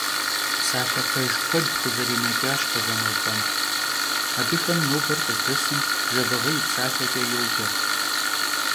Псалъэ пэж куэд къызэринэкӀащ Къэзанокъуэм, абыхэм нобэр къыздэсым Жэбагъы и псалъэкӀэ йоджэ.